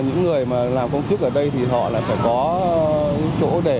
những người mà làm công chức ở đây thì họ là phải có chỗ để